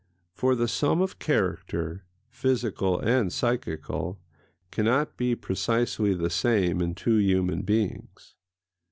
For the sum of character, physical and psychical, cannot be precisely the same in two human beings.